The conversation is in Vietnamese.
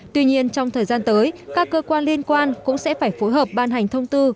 tuy nhiên trong thời gian tới các cơ quan liên quan cũng sẽ phải phối hợp ban hành thông tư